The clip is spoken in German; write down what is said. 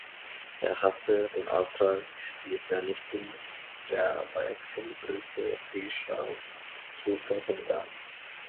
Er hatte den Auftrag, die Vernichtung der Weichselbrücke Dirschau zu verhindern.